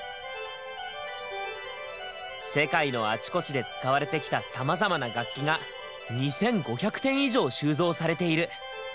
世界のあちこちで使われてきたさまざまな楽器が２５００点以上収蔵されている。